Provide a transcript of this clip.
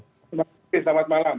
terima kasih selamat malam